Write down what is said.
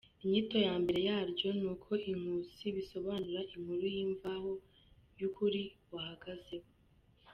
Inyito ya mbere yaryo ni uko Inkusi bisonura inkuru y’imvaho, y’ukuri wahagazeho.